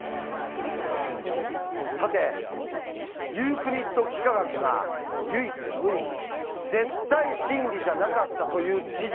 さてユークリッド幾何学が唯一無二絶対真理じゃなかったという事実。